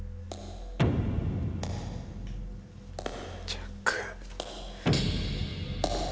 ・ジャック。